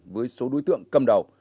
với số đối tượng cầm đầu